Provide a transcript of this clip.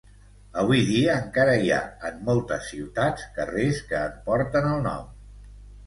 Avui dia encara hi ha, en moltes ciutats, carrers que en porten el nom.